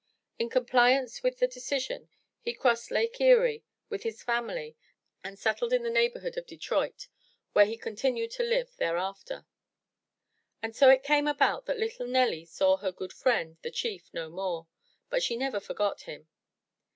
In compliance with this decision, he crossed Lake Erie with his family and settled in the neighborhood of Detroit where he continued to live thereafter. And so it came about that little Nelly saw her good friend, the Chief, no more, but she never forgot him.